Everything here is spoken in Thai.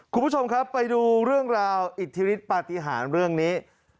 คุณผู้ชมครับไปดูเรื่องราวอิทธิฤทธิปฏิหารเรื่องนี้